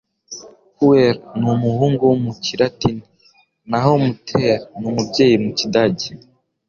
Puer ni umuhungu mu kilatini, naho Mutter ni umubyeyi mu kidage.